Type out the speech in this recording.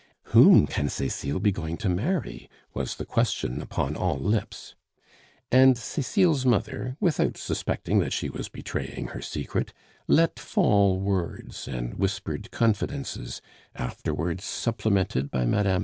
"Whom can Cecile be going to marry?" was the question upon all lips. And Cecile's mother, without suspecting that she was betraying her secret, let fall words and whispered confidences, afterwards supplemented by Mme.